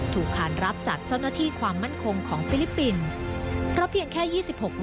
ขานรับจากเจ้าหน้าที่ความมั่นคงของฟิลิปปินส์